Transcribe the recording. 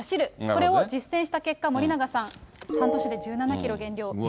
これを実践した結果、森永さん、半年で１７キロ減量。